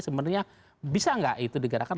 sebenarnya bisa nggak itu digerakkan